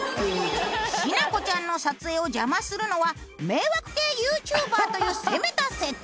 しなこちゃんの撮影を邪魔するのは迷惑系ＹｏｕＴｕｂｅｒという攻めた設定。